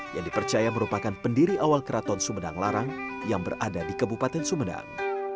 yang dipercaya merupakan pendiri awal keraton sumedang larang yang berada di kabupaten sumedang